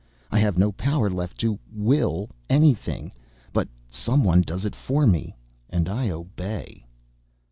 I have no power left to will anything, but someone does it for me and I obey.